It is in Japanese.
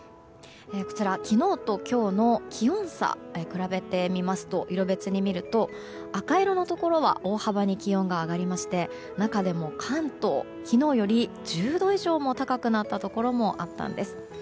こちら昨日と今日の気温差を比べてみますと色別に見ると赤いところは大幅に気温が上がりまして中でも関東、昨日より１０度以上も高くなったところもあったんです。